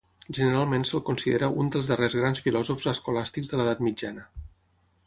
Generalment se'l considera un dels darrers grans filòsofs escolàstics de l'Edat Mitjana.